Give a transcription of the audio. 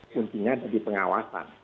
kuncinya dari pengawasan